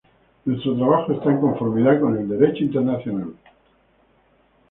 Nuestro trabajo está en conformidad con el derecho internacional.